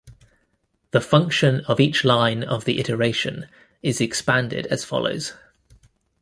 The function of each line of the iteration is expanded as follows.